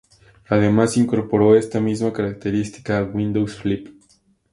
Además se incorporó esta misma característica a Windows Flip.